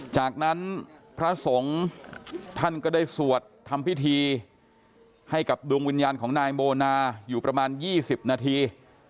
จากนั้นพระสงฆ์ท่านก็ได้สวดทำพิธีให้กับดวงวิญญาณของนายโมนาอยู่ประมาณ๒๐นาที